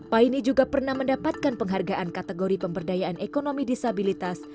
paine juga pernah mendapatkan penghargaan kategori pemberdayaan ekonomi disabilitas